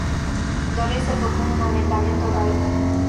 Doresc să propun un amendament oral.